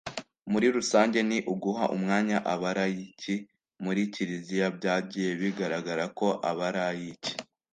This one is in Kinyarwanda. muri rusange, ni uguha umwanya abalayiki muri kiliziya.byagiye bigaragara ko abalayiki